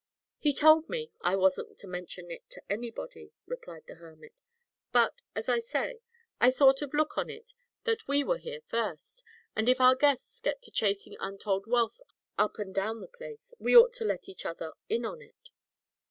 "He told me I wasn't to mention it to anybody," replied the hermit, "but as I say, I sort of look on it that we were here first, and if our guests get to chasing untold wealth up and down the place, we ought to let each other in on it."